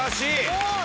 すごい！